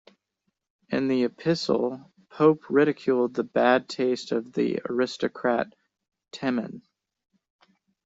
In the epistle, Pope ridiculed the bad taste of the aristocrat "Timon".